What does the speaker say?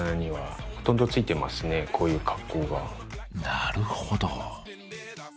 なるほど。